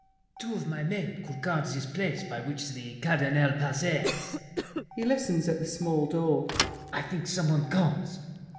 Two of my men could guard this place, by which The Cardinal passes— [He listens at the small door. I think some one comes!